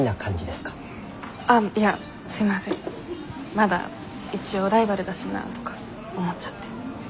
まだ一応ライバルだしなぁとか思っちゃって。